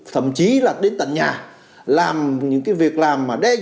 thậm chí là đến tận nhà làm những cái việc làm mà đúng